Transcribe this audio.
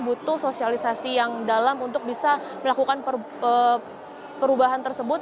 butuh sosialisasi yang dalam untuk bisa melakukan perubahan tersebut